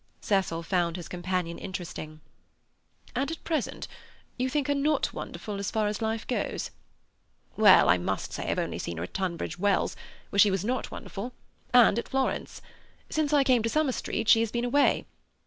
Cecil found his companion interesting. "And at present you think her not wonderful as far as life goes?" "Well, I must say I've only seen her at Tunbridge Wells, where she was not wonderful, and at Florence. Since I came to Summer Street she has been away.